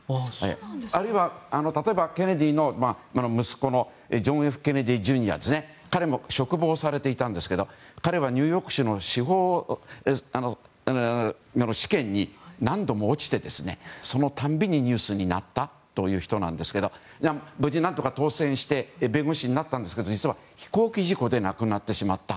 あるいは、ケネディの息子のジョン・Ｆ・ケネディ・ジュニア彼も、嘱望されていたんですけど彼はニューヨーク州の司法試験に何度も落ちてそのたびにニュースになった人なんですが無事、何とか当選して弁護士になったんですが実は飛行機事故で亡くなってしまった。